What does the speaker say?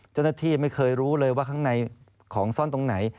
เจ้าหน้าที่ไม่เคยรู้เลยว่าข้างในของซ่อนตรงไหน